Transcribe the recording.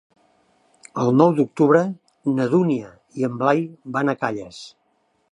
El nou d'octubre na Dúnia i en Blai van a Calles.